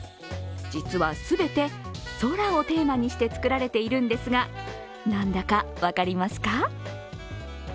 実は、全て「空」をテーマにして作られているんですが、何だか分かりますか？